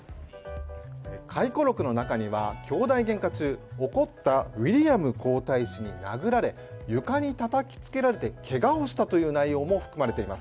回顧録の中には兄弟げんか中、怒ったウィリアム皇太子に殴られ床にたたきつけられてけがをしたという内容も含まれています。